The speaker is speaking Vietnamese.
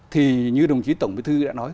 thì như đồng chí tổng bí thư đã nói